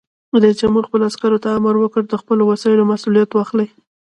رئیس جمهور خپلو عسکرو ته امر وکړ؛ د خپلو وسایلو مسؤلیت واخلئ!